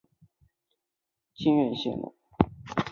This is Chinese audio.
直隶省清苑县人。